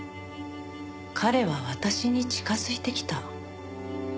彼は私に近づいてきた。